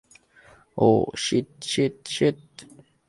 Oh, shit, shit, sheet.